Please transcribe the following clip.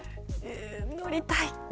乗りたい。